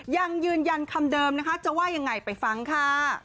ยังยืนยันคำเดิมนะคะจะว่ายังไงไปฟังค่ะ